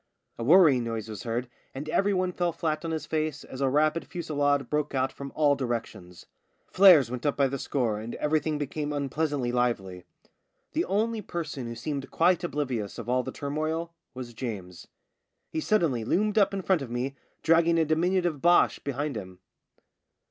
A worrying noise was heard, and every one fell flat on his face as a rapid fusillade broke out from all directions. Flares went up by the score and everything became unpleasantly lively. The only person who seemed quite oblivious of all the turmoil was James. He suddenly loomed up in front of me dragging a diminutive Boche behind him.